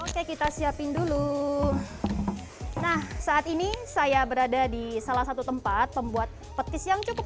oke kita siapin dulu nah saat ini saya berada di salah satu tempat pembuat petis yang cukup